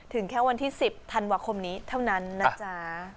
ถึงแค่วันที่๑๐ธันวาคมนี้เท่านั้นนะจ๊ะ